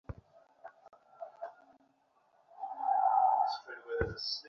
আপনাকে তা করতে হবে।